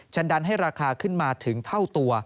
ดันให้ราคาขึ้นมาถึงเท่าตัว